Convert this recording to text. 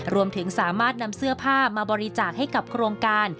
รวมถึงสามารถนำเสื้อผ้ามาบริจาคให้กับโครงการ